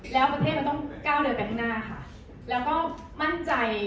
แล้วประเทศเราต้องก้าวเดินไปข้างหน้าค่ะแล้วก็มั่นใจ